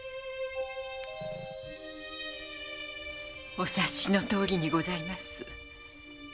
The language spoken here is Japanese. お察しのとおりにございます。